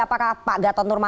apakah pak gatot nurmanis